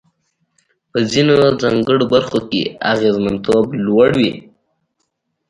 په ځینو ځانګړو برخو کې اغېزمنتوب لوړ وي.